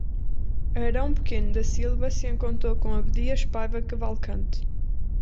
Aarão Pequeno da Silva se encontrou com Abdias Paiva Cavalcante